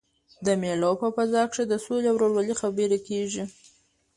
د مېلو په فضا کښي د سولي او ورورولۍ خبري کېږي.